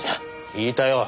聞いたよ。